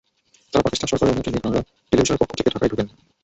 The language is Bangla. তঁারা পাকিস্তান সরকারের অনুমতি নিয়ে গ্রানাডা টেলিভিশনের পক্ষ থেকে ঢাকায় ঢোকেন।